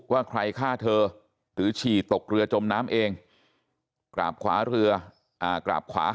ว่าใครฆ่าเธอหรือฉี่ตกเรือจมน้ำเองกราบขวาเรือกราบขวา